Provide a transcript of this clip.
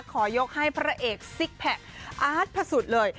ขอยกให้พระเอกซิกแพคอาร์ตพระสุทธิ์เลย